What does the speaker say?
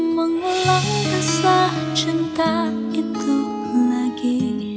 mengelang rasa cinta itu lagi